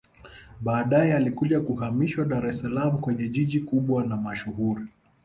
Baadae yalikuja kuhamishiwa Dar es salaam kwenye jiji kubwa na mashuhuri